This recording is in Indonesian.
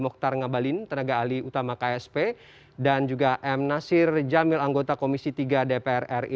mokhtar ngabalin tenaga ahli utama ksp dan juga m nasir jamil anggota komisi tiga dpr ri